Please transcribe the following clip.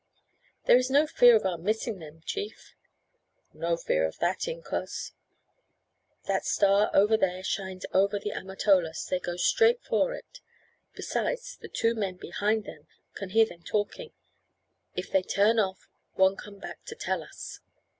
"There is no fear of our missing them, chief?" "No fear of that, incos; that star over there shines over the Amatolas, they go straight for it; besides, the two men behind them can hear them talking. If they turn off one come back to tell us."